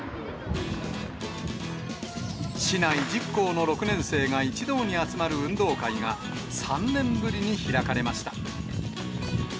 市内１０校の６年生が一堂に集まる運動会が、３年ぶりに開かれました。